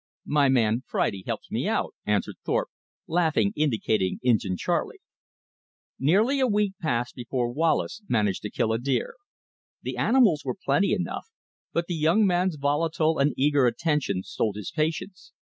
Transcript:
"My man Friday helps me out," answered Thorpe, laughingly indicating Injin Charley. Nearly a week passed before Wallace managed to kill a deer. The animals were plenty enough; but the young man's volatile and eager attention stole his patience.